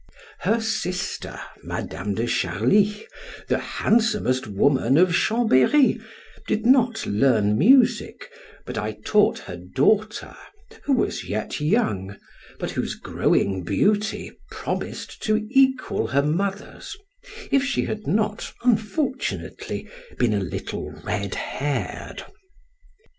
Her sister, Madam de Charly, the handsomest woman of Chambery, did not learn music, but I taught her daughter, who was yet young, but whose growing beauty promised to equal her mother's, if she had not unfortunately been a little red haired.